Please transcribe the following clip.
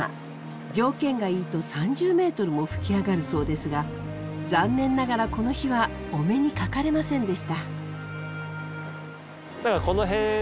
条件がいいと３０ｍも吹き上がるそうですが残念ながらこの日はお目にかかれませんでした。